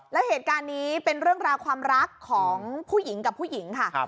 แล้วเหตุการณ์นี้เป็นเรื่องราวความรักของผู้หญิงกับผู้หญิงค่ะ